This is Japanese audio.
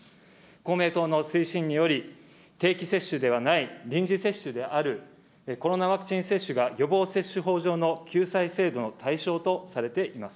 公明党の推進により、定期接種ではない臨時接種であるコロナワクチン接種が予防接種法上の救済制度の対象とされています。